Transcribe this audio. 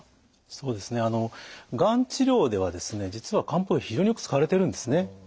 そうですねあのがん治療では実は漢方薬非常によく使われているんですね。